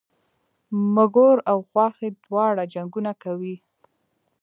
مږور او خواښې دواړه جنګونه کوي